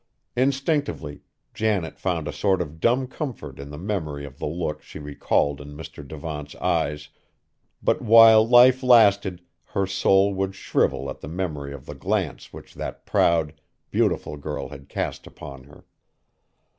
Instinctively, Janet found a sort of dumb comfort in the memory of the look she recalled in Mr. Devant's eyes, but while life lasted her soul would shrivel at the memory of the glance which that proud, beautiful girl had cast upon her.